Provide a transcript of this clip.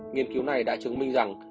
nghiên cứu này đã chứng minh rằng